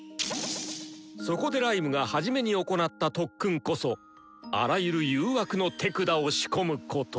そこでライムが初めに行った特訓こそ「あらゆる誘惑の手管を仕込む」こと。